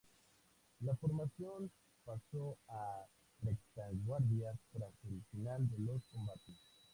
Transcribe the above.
La formación pasó a retaguardia tras el final de los combates.